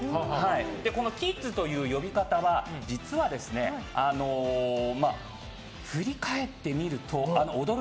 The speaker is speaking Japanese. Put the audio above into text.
このキッズという呼び方は実は、振り返ってみると「踊る！